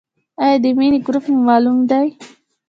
ایا د وینې ګروپ مو معلوم دی؟